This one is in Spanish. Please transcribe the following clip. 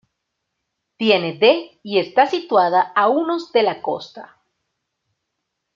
Tiene de y está situada a unos de la costa.